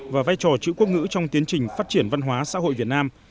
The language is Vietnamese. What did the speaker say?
và vai trò chữ quốc ngữ trong tiến trình phát triển văn hóa xã hội việt nam